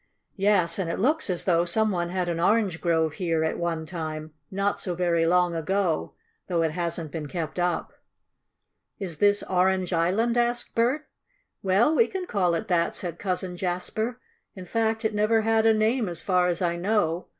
"Yes. And it looks as though some one had an orange grove here at one time, not so very long ago, though it hasn't been kept up." "Is this Orange Island?" asked Bert. "Well, we can call it that," said Cousin Jasper. "In fact it never had a name, as far as I know.